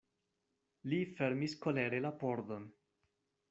Li fermis kolere la pordon.